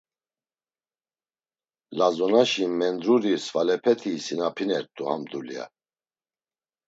Lazonaşi mendruri svalepeti isinapinert̆u ham dulya.